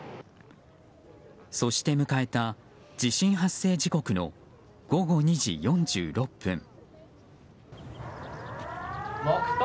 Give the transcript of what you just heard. そして迎えた地震発生時刻の午後２時４６分。